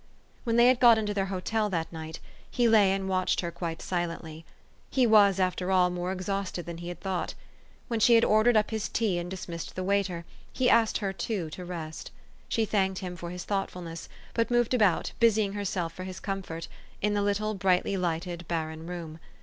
When they had got into their hotel that night, he lay and watched her quite silently. He was, after all, more exhausted than he had thought. When she had ordered up his tea, and dismissed the waiter, he asked her, too, to rest. She thanked him for his thoughtfulness, but moved about, busying herself for his comfort, in the little, brightly lighted, barren room.